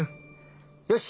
よし！